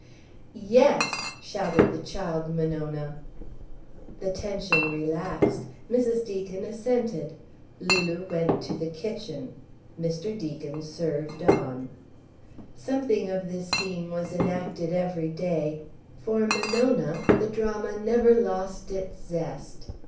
"Yes!" shouted the child Monona. The tension relaxed. Mrs. Deacon assented. Lulu went to the kitchen. Mr. Deacon served on. Something of this scene was enacted every day. For Monona the drama never lost its zest.